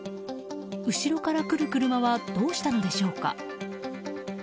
後ろから来る車はどうしたのでしょうか。